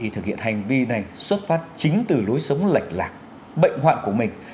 thực hiện hành vi này xuất phát chính từ lối sống lệch lạc bệnh hoạn của mình